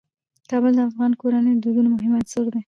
کابل د افغان کورنیو د دودونو مهم عنصر دی.